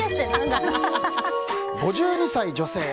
５２歳女性。